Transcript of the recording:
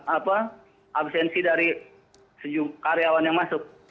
apa absensi dari sejumlah karyawan yang masuk